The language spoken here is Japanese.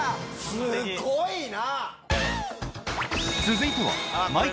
すごいな。